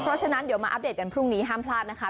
เพราะฉะนั้นเดี๋ยวมาอัปเดตกันพรุ่งนี้ห้ามพลาดนะคะ